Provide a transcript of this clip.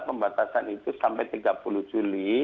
pembatasan itu sampai tiga puluh juli